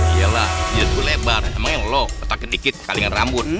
iya lah jenis gue lebar emang yang lo otak ke dikit kali dengan rambut